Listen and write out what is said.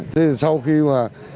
thế thì sau khi mà